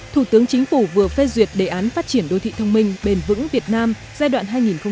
thủ tướng chính phủ vừa phê duyệt đề án phát triển đô thị thông minh bền vững việt nam giai đoạn hai nghìn một mươi sáu hai nghìn hai mươi